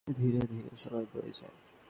ধীরে ধীরে সময় বয়ে যায়।